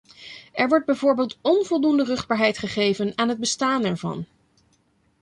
Er wordt bijvoorbeeld onvoldoende ruchtbaarheid gegeven aan het bestaan ervan.